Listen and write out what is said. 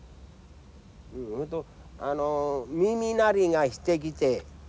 それとあの耳鳴りがしてきて。